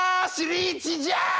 リーチじゃ！